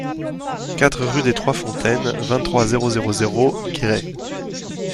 quatre rue des trois Fontaines, vingt-trois, zéro zéro zéro, Guéret